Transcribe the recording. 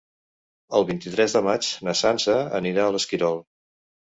El vint-i-tres de maig na Sança anirà a l'Esquirol.